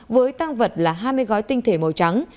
với tăng vật là hai mươi gói tinh thể màu trắng